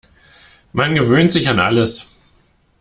Man gewöhnt sich an alles.